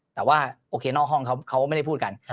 แต่ว่าโอเคนอกห้องเขาไม่ได้พูดกัน